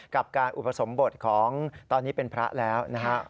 กับการอุปสมบทของตอนนี้เป็นพระแล้วนะครับ